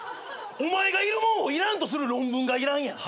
お前が要るもんを要らんとする論文が要らんやん。